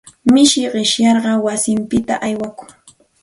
Mishi qishyayar wasinpita aywakun.